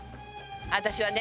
私はね